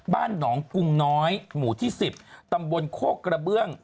บ้านหนองกุงน้อยหมู่ที่๑๐ตำบลโคกกระเบื้อง